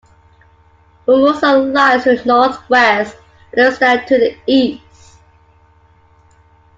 Formosa lies to the northwest, and Neustadt to the east.